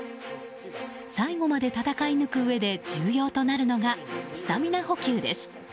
最後まで戦い抜くうえで重要となるのがスタミナ補給です。